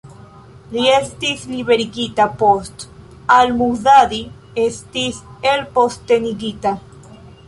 Li estis liberigita post al-Muhtadi estis elpostenigita.